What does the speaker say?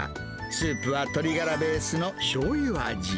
スープは鶏ガラベースのしょうゆ味。